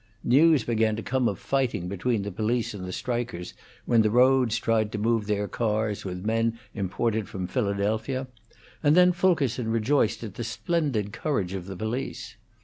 News began to come of fighting between the police and the strikers when the roads tried to move their cars with men imported from Philadelphia, and then Fulkerson rejoiced at the splendid courage of the police.